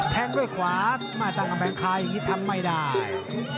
แท้งด้วยขวามาต่างกับแบงค์คลายอย่างนี้ทำไม่ได้